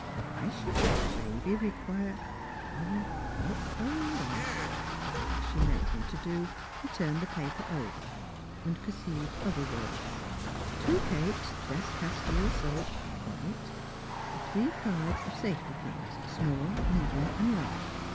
Why should the baby require — But hold !— quite as she had meant him to do, he turned the paper over and perceived other words :" 2 cakes, best Castile soap (white), 3 cards safety pins, small, medium, and large.